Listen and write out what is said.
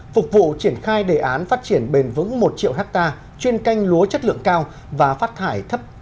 phục vụ triển khai đề án phát triển bền vững một triệu hectare chuyên canh lúa chất lượng cao và phát thải thấp